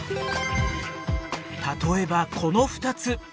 例えばこの２つ。